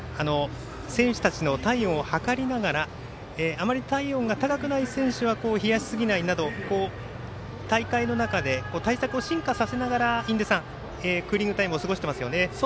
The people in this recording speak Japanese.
選手たちの体温を測りながらあまり体温が高くない選手は冷やしすぎないなど大会の中で対策を進化させながら印出さん、クーリングタイムを過ごしてますよね。